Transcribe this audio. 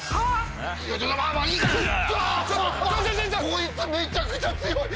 こいつめちゃくちゃ強い！